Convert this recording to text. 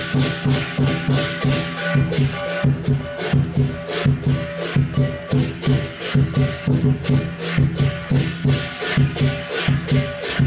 โปรดติดตามตอนต่อไป